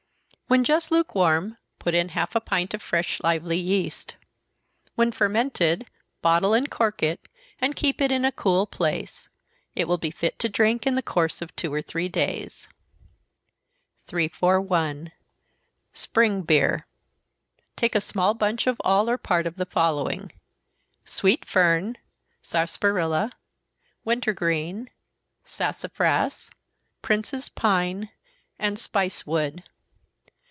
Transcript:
When just lukewarm, put in half a pint of fresh lively yeast. When fermented, bottle and cork it, and keep it in a cool place. It will be fit to drink in the course of two or three days. 341. Spring Beer. Take a small bunch of all, or part of the following: Sweet fern, sarsaparilla, winter green, sassafras, prince's pine, and spice wood.